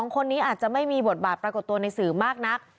คนนี้อาจจะไม่มีบทบาทปรากฏตัวในสื่อมากนัก